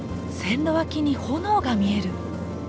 線路脇に炎が見える。